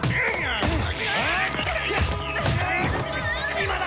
今だ！